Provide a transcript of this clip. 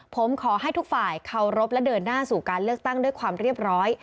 ผมขอให้ทุกฝ่ายเคารพและเดินหน้าสู่การเลือกตั้งด้วยความเรียบร้อย